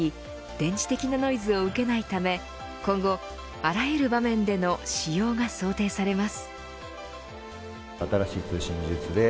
電磁的なノイズを受けないため今後、あらゆる場面での使用が想定されます。